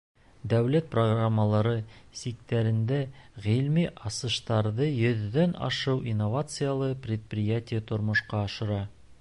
Дәүләт программалары сиктәрендә ғилми асыштарҙы йөҙҙән ашыу инновациялы предприятие тормошҡа ашыра.